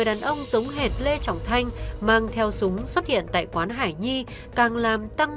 đàn ông giống hệt lê trọng thanh mang theo súng xuất hiện tại quán hải nhi càng làm tăng